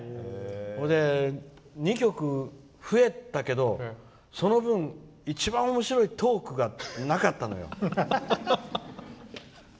それで２曲増えたけどその分、一番おもしろいトークがなかったのよ。